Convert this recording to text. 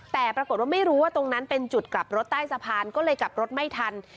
แต่ปรากฏว่าไม่รู้ว่าตรงนั้นเป็นจุดกลับรถใต้สะพานก็เลยกลับรถไม่ทัน